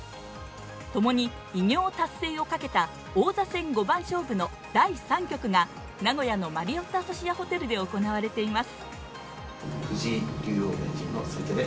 ともに偉業達成をかけた王座戦五番勝負の第３局が名古屋のマリオットアソシアホテルで行われています。